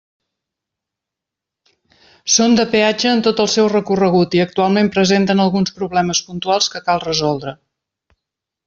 Són de peatge en tot el seu recorregut, i actualment presenten alguns problemes puntuals que cal resoldre.